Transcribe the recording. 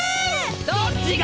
どっちが？